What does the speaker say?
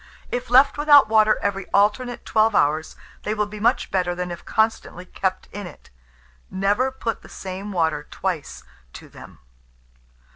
If left without water every alternate 12 hours, they will be much better than if constantly kept in it. Never put the same water twice to them.